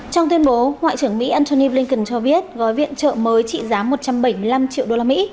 trong tuyên bố ngoại trưởng mỹ antony blinken cho biết gói viện trợ mới trị giá một trăm bảy mươi năm triệu usd